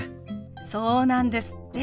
そうなんですって。